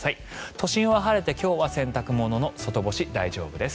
都心は晴れて今日は洗濯物の外干し、大丈夫です。